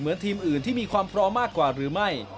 ทีมอื่นที่มีความพร้อมมากกว่าหรือไม่